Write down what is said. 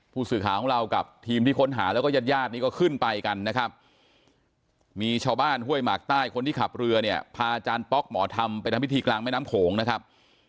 ผู้สื่อข่าวของเรากับทีมที่ค้นหาแล้วก็ญาติญาตินี้ก็ขึ้นไปกันนะครับมีชาวบ้านห้วยหมากใต้คนที่ขับเรือเนี่ยพาอาจารย์ป๊อกหมอธรรมไปทำพิธีกลางแม่น้ำโขงนะครับ